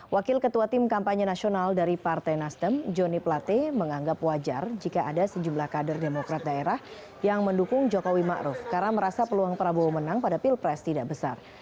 wakil ketua tim kampanye nasional dari partai nasdem joni plate menganggap wajar jika ada sejumlah kader demokrat daerah yang mendukung jokowi ⁇ maruf ⁇ karena merasa peluang prabowo menang pada pilpres tidak besar